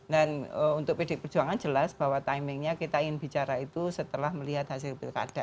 dan untuk pd perjuangan jelas bahwa timingnya kita ingin bicara itu setelah melihat hasil pilkada